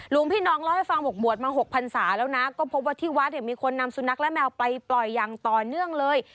พี่น้องเล่าให้ฟังบอกบวชมา๖พันศาแล้วนะก็พบว่าที่วัดเนี่ยมีคนนำสุนัขและแมวไปปล่อยอย่างต่อเนื่องเลย